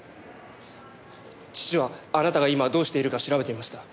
父はあなたが今どうしているか調べていました。